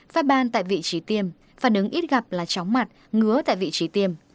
phát ban tại vị trí tiêm phản ứng ít gặp là chóng mặt ngứa tại vị trí tiêm